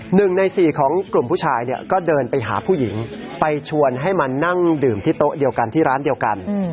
หนึ่งในสี่ของกลุ่มผู้ชายเนี่ยก็เดินไปหาผู้หญิงไปชวนให้มานั่งดื่มที่โต๊ะเดียวกันที่ร้านเดียวกัน